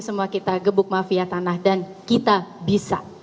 semua kita gebuk mafia tanah dan kita bisa